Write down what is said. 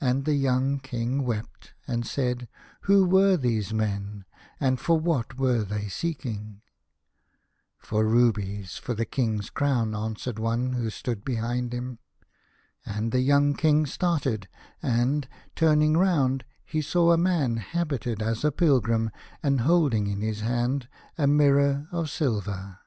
And the young King wept, and said : "Who were these men, and for what were they seeking ?"" For rubies for a king's crown," answered one who stood behind him. And the young King started, and, turning round, he saw a man habited as a pilgrim and holding in his hand a mirror of silver.